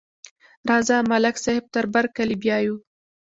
راځه، ملک صاحب تر برکلي بیایو.